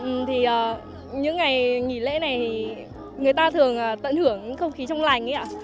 những ngày nghỉ lễ này người ta thường tận hưởng không khí trong lành